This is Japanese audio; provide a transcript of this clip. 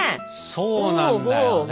そうなんだよね。